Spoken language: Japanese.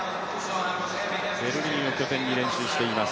ベルリンを拠点に練習しています。